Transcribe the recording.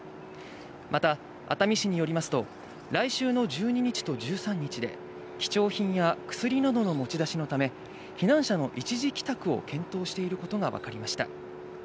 また熱海市によりますと来週の１２日と１３日で貴重品や薬などの持ち出しのため、避難者の一時帰宅を検討していることがわかりました。